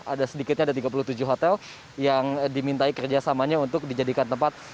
ada sedikitnya ada tiga puluh tujuh hotel yang dimintai kerjasamanya untuk dijadikan tempat